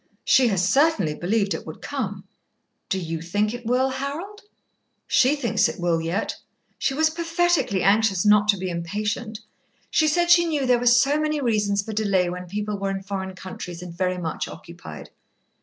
"She has certainly believed it would come." "Do you think it will, Harold?" "She thinks it will yet. She was pathetically anxious not to be impatient. She said she knew there were so many reasons for delay when people were in foreign countries and very much occupied."